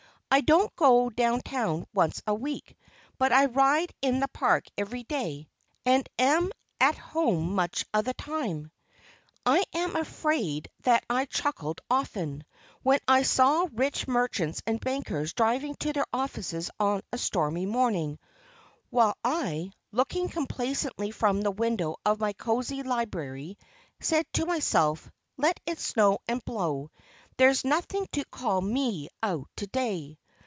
I don't go down town once a week; but I ride in the Park every day, and am at home much of my time." I am afraid that I chuckled often, when I saw rich merchants and bankers driving to their offices on a stormy morning, while I, looking complacently from the window of my cozy library, said to myself, "Let it snow and blow, there's nothing to call me out to day."